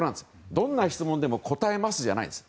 どんな質問でも答えますじゃないんです。